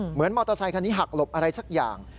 มอเตอร์ไซคันนี้หักหลบอะไรสักอย่าง